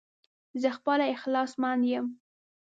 زه خپله اخلاص مند يم